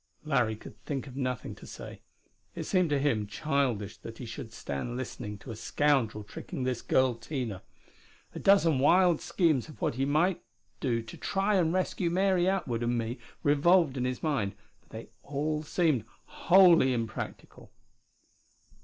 Larry could think of nothing to say. It seemed to him childish that he should stand listening to a scoundrel tricking this girl Tina. A dozen wild schemes of what he might do to try and rescue Mary Atwood and me revolved in his mind, but they all seemed wholly impractical.